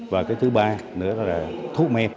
và cái thứ ba nữa là thuốc men